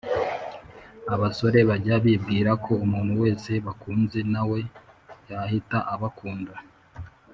Abasore bajya bibwira ko umuntu wese bakunze nawe yahita abakunda